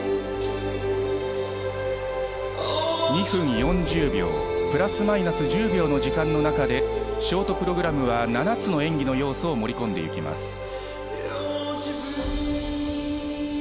２分４０秒プラスマイナス１０秒の時間の中でショートプログラムは７つの演技の要素を盛り込んでいきます。